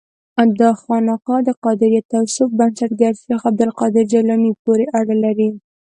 دا خانقاه د قادریه تصوف بنسټګر شیخ عبدالقادر جیلاني پورې اړه لري.